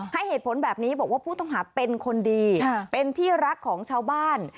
ให้เหตุผลแบบนี้บอกว่าผู้ต้องหาเป็นคนดีเป็นที่รักของชาวบ้าน